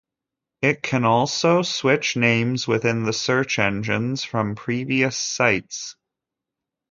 It can also switch names within the search engines from previous sites.